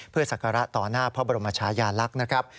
ศักระต่อหน้าพระบรมชายาลักษณ์นะครับ